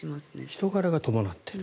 人柄が伴っている。